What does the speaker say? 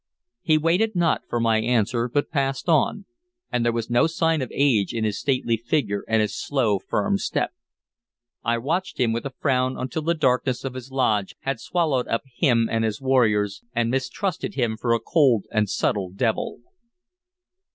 He waited not for my answer, but passed on, and there was no sign of age in his stately figure and his slow, firm step. I watched him with a frown until the darkness of his lodge had swallowed up him and his warriors, and mistrusted him for a cold and subtle devil.